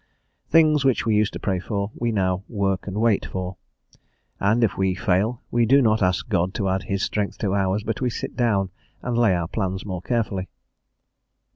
Things which we used to pray for, we now work and wait for, and if we fail we do not ask God to add his strength to ours, but we sit down and lay our plans more carefully.